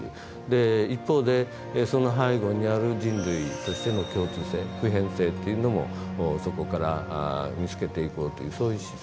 一方でその背後にある人類としての共通性普遍性っていうのもそこから見つけていこうというそういう姿勢。